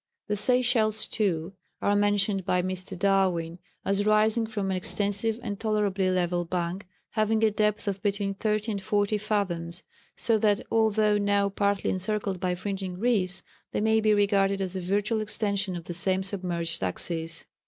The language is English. The Seychelles, too, are mentioned by Mr. Darwin as rising from an extensive and tolerably level bank having a depth of between 30 and 40 fathoms; so that, although now partly encircled by fringing reefs, they may be regarded as a virtual extension of the same submerged axis.